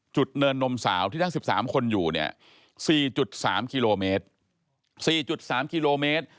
จุดเนินนมสาวที่ทั้ง๑๓คนอยู่เนี่ย๔๓กิโลเมตร